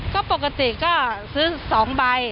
ก็ปกติก็ซื้อ๒ใบ